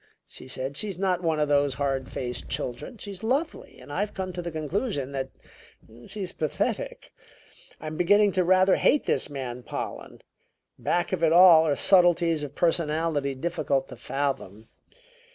she said. "She's not one of those hard faced children; she's lovely and I've come to the conclusion that she's pathetic. I'm beginning to rather hate this man Pollen. Back of it all are subtleties of personality difficult to fathom.